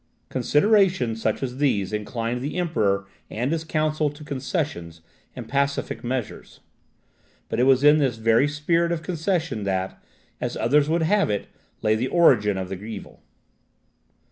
Considerations such as these inclined the Emperor and his council to concessions and pacific measures, but it was in this very spirit of concession that, as others would have it, lay the origin of the evil.